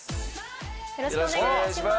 よろしくお願いします。